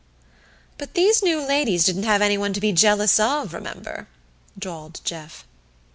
"But these New Ladies didn't have anyone to be jealous of, remember," drawled Jeff.